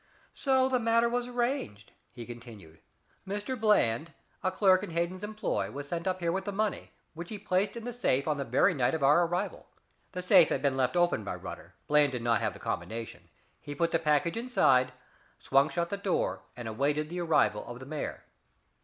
"So the matter was arranged," he continued. "Mr. Bland, a clerk in Hayden's employ, was sent up here with the money, which he placed in the safe on the very night of our arrival. The safe had been left open by Rutter; Bland did not have the combination. He put the package inside, swung shut the door, and awaited the arrival of the mayor."